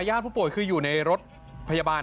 ผู้ป่วยคืออยู่ในรถพยาบาล